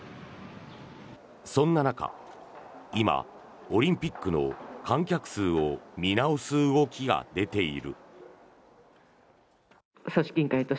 そんな中、今オリンピックの観客数を見直す動きが出ている。